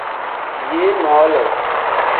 Biyee noole.